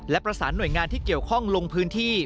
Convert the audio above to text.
และประสานหน่วยงานที่เกี่ยวข้องลงพื้นที่